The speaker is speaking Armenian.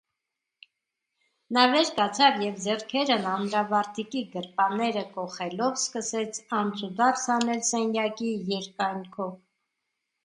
Նա վեր կացավ և, ձեռքերն անդրավարտիքի գրպանները կոխելով, սկսեց անցուդարձ անել սենյակի երկայնքով: